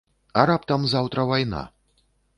А раптам заўтра вайна?